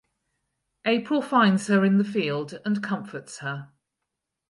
April finds her in the field and comforts her.